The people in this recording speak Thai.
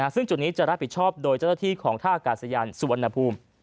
ซึ่งจุดนี้จะรับผิดชอบโดยเจ้าหน้าที่ของท่าอากาศยานสุวรรณภูมิ